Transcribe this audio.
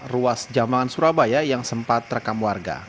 ruas jambangan surabaya yang sempat terekam warga